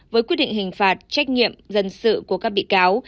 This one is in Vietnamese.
với quyết định hình phạt trách nhiệm dân sự của các bị cáo